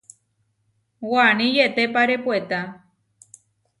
Waní yetépare puetá.